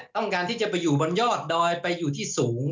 ต้องการที่จะไปอยู่บนยอดดอยไปอยู่ที่สูง